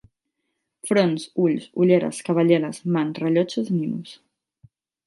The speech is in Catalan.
Fronts, ulls, ulleres, cabelleres, mans, rellotges, ninos.